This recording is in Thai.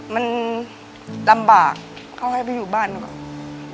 มันตำบากเขาให้ไปอยู่บ้านก่อน